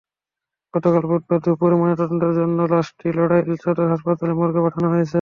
গতকাল বুধবার দুপুরে ময়নাতদন্তের জন্য লাশটি নড়াইল সদর হাসপাতালের মর্গে পাঠানো হয়েছে।